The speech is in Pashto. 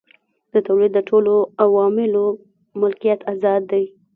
د تولید د ټولو عواملو ملکیت ازاد دی.